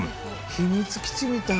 秘密基地みたい。